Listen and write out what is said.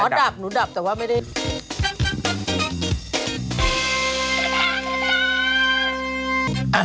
ดับหนูดับแต่ว่าไม่ได้